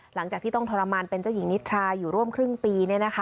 หลังจากที่ต้องทรมานเป็นเจ้าหญิงนิทราอยู่ร่วมครึ่งปี